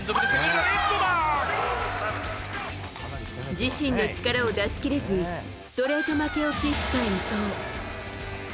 自身の力を出し切れずストレート負けを喫した伊藤。